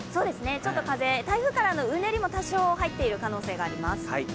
風、台風からのうねりも多少入っている可能性もあります。